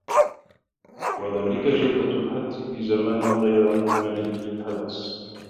وَذَلِكَ جَوْدَةٌ الْحَدْسِ فِي زَمَانٍ غَيْرِ مُهْمِلٍ لِلْحَدْسِ